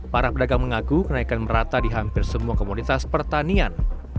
para pedagang mengaku kenaikan merata di hampir semua komunitas pertanian